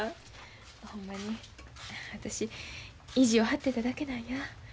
ほんまに私意地を張ってただけなんや。